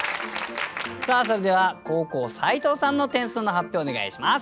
さあそれでは後攻斉藤さんの点数の発表をお願いします。